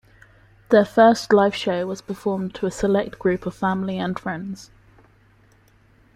Their first live show was performed to a select group of family and friends.